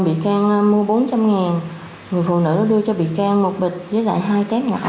bị can mua bốn trăm linh người phụ nữ đã đưa cho bị can một bịch với lại hai tráng nhỏ